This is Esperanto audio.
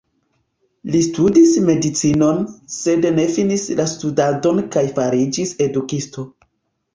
Li studis medicinon, sed ne finis la studadon kaj fariĝis edukisto.